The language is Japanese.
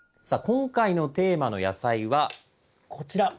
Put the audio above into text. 今回のテーマの野菜はこちら！